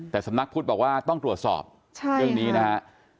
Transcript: แต่สำนักพุทธบอกว่าต้องตรวจสอบเรื่องนี้นะฮะ